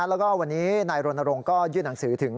แล้วก็วันนี้นายรณรงค์ก็ยื่นหนังสือถึง